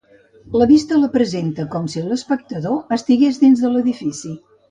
La vista la presenta com si l'espectador estigués dins de l'edifici.